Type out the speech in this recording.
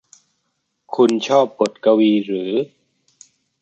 คุณชอบบทกวีหรือ